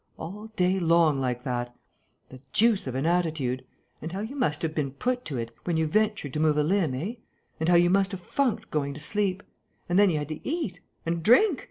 All day long, like that! The deuce of an attitude! And how you must have been put to it, when you ventured to move a limb, eh? And how you must have funked going to sleep!... And then you had to eat! And drink!